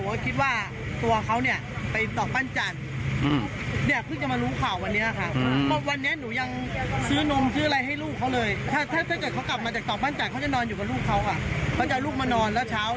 ลูกเขา๒คน๒คนผู้หญิงคนผู้ชายคน